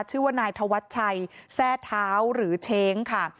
ชื่อว่านายธวัชชัยแทร่เท้าหรือเช้งค่ะ